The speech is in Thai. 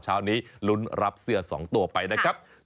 เช้านี้ลุ้นรับเสื้อ๒ตัวไปนะครับ